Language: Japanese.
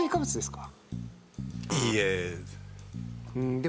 いいえ。